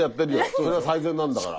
それが最善なんだから。